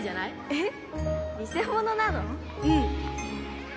えっ？